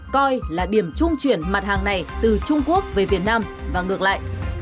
coi là điểm trung chuyển mặt hàng này từ trung quốc về việt nam và ngược lại